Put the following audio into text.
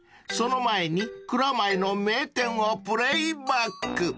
［その前に蔵前の名店をプレーバック］